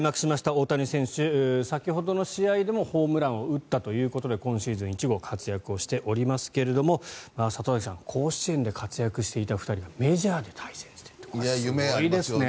大谷選手、先ほどの試合でもホームランを打ったということで今シーズン１号活躍しておりますが里崎さん甲子園で活躍していた２人がメジャーで対戦してってこれはすごいですね。